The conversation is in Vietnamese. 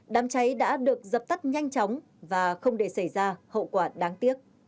đám cháy đã được dập tắt nhanh chóng và không để xảy ra hậu quả đáng tiếc